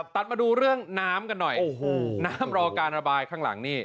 ตัดมาดูเรื่องน้ำกันหน่อยโอ้โหน้ำรอการระบายข้างหลังนี่